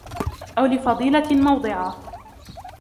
أَوْ لِفَضِيلَةٍ مَوْضِعًا